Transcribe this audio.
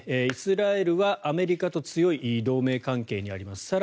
イスラエルはアメリカと強い同盟関係にあります。